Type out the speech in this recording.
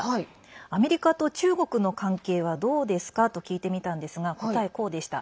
アメリカと中国の関係はどうですかと聞いてみたんですが答え、こうでした。